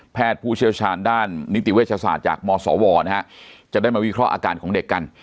ผู้เชี่ยวชาญด้านนิติเวชศาสตร์จากมศวนะฮะจะได้มาวิเคราะห์อาการของเด็กกัน